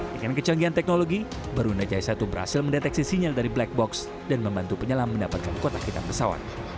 dengan kecanggihan teknologi barunajaya satu berhasil mendeteksi sinyal dari black box dan membantu penyelam mendapatkan kotak hitam pesawat